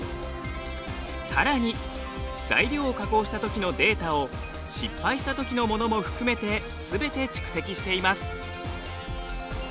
さらに材料を加工したときのデータを失敗したときのものも含めてすべて蓄積しています。